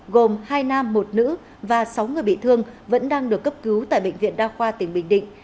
gồm hai nam một nữ và sáu người bị thương vẫn đang được cấp cứu tại bệnh viện đa khoa tỉnh bình định